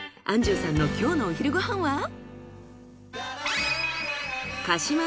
安重さんの今日のお昼ご飯は？